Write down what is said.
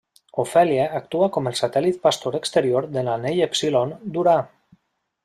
Ofèlia actua com el satèl·lit pastor exterior de l'anell èpsilon d'Urà.